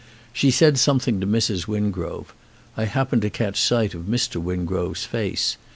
She said something to Mrs. Wingrove. I happened to catch sight of Mr. Wingrove's face.